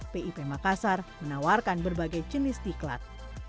pip makassar menawarkan berbagai jenis diklat